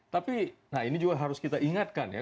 tapi nah ini juga harus kita ingatkan ya